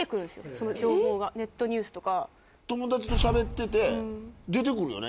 その情報がネットニュースとか。友達としゃべってて出てくるよね。